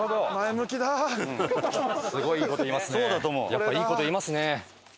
やっぱいい事言いますね。